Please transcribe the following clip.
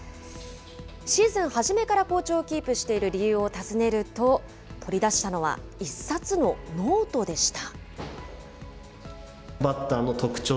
シーズン初めから好調をキープしている理由を尋ねると、取り出したのは、一冊のノートでした。